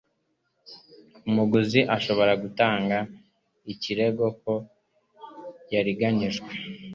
umuguzi ashobora gutanga ikirego ko yariganijwe